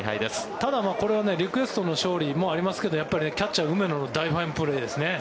ただこれはリクエストの勝利もありますけどやっぱりキャッチャー、梅野の大ファインプレーですね。